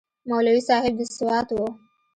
مولوي صاحب د سوات و.